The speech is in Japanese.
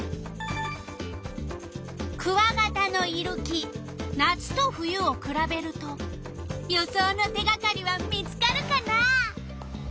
クワガタのいる木夏と冬をくらべると予想の手がかりは見つかるかな？